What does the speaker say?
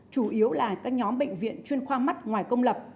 chủ yếu là các nhóm bệnh viện chuyên khoa mắt ngoài công lập